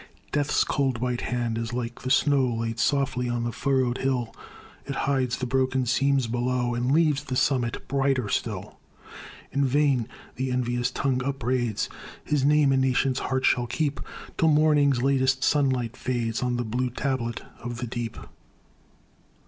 Death's cold white hand is like the snow Laid softly on the furrowed hill, It hides the broken seams below, And leaves the summit brighter still. In vain the envious tongue upbraids; His name a nation's heart shall keep Till morning's latest sunlight fades On the blue tablet of the deep!